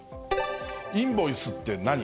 インボイスって何？